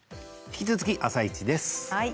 引き続き「あさイチ」です。